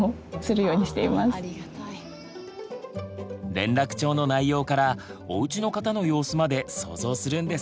連絡帳の内容からおうちの方の様子まで想像するんですね。